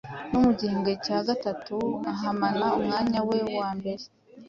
No mu gihembwe cya Gatatu ahamana umwanya we wa mbere.